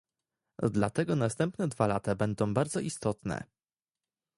Dlatego następne dwa lata będą bardzo istotne